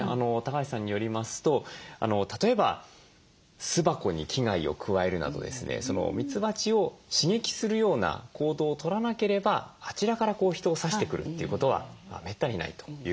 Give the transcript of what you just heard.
橋さんによりますと例えば巣箱に危害を加えるなどですねミツバチを刺激するような行動をとらなければあちらから人を刺してくるということはめったにないということなんです。